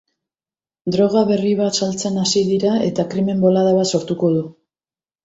Droga berri bat saltzen hasi dira eta krimen-bolada bat sortuko du.